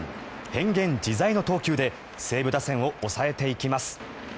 変幻自在の投球で西武打線を抑えていきます。